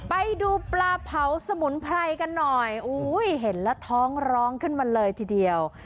ไปดูปลาเผาสมุนไพรกันหน่อยอุ้ยเห็นแล้วท้องร้องขึ้นมาเลยทีเดียว